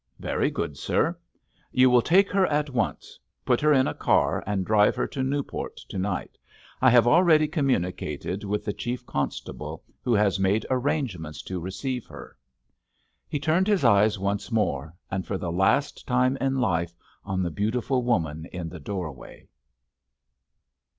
"Very good, sir!" "You will take her at once. Put her in a car and drive her to Newport to night. I have already communicated with the Chief Constable, who has made arrangements to receive her." He turned his eyes once more, and for the last time in life, on the beautiful woman in the doorway.